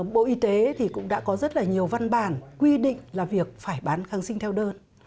bộ y tế thì cũng đã có rất là nhiều văn bản quy định là việc phải bán kháng sinh theo đơn